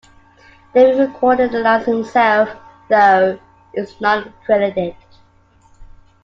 David recorded the lines himself, though he was not credited.